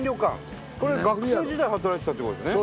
学生時代働いてたっていう事ですね。